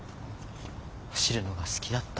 走るのが好きだった。